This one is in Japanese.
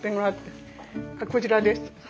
こちらです。